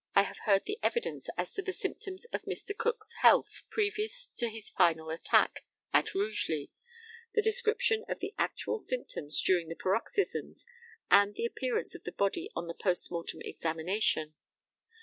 I have heard the evidence as to the symptoms of Mr. Cook's health previous to his final attack at Rugeley, the description of the actual symptoms during the paroxysms, and the appearance of the body on the post mortem examination.